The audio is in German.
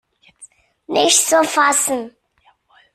Nicht zu fassen!